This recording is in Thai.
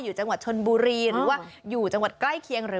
อยู่จังหวัดชนบุรีหรือว่าอยู่จังหวัดใกล้เคียงหรือ